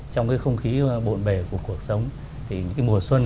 trong cái không khí bộn bề của cuộc sống thì mùa xuân